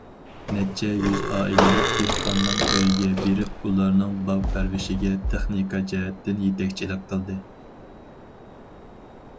نەچچە يۈز ئائىلىلىك دېھقاننىڭ ئۆيىگە بېرىپ، ئۇلارنىڭ باغ پەرۋىشىگە تېخنىكا جەھەتتىن يېتەكچىلىك قىلدى.